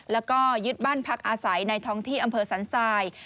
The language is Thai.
แล้วก็ยึดบ้านพักอาศัยในท้องที่อำเภอสันทราย